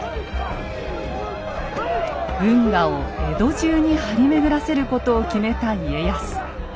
運河を江戸中に張り巡らせることを決めた家康。